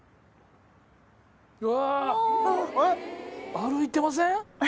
歩いてません？